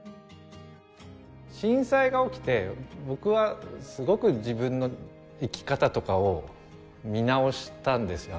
震災が起きて僕はすごく自分の生き方とかを見直したんですよ